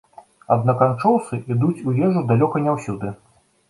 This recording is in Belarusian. Аднак анчоўсы ідуць у ежу далёка не ўсюды.